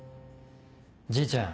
じいちゃん